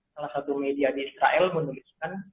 salah satu media di israel menuliskan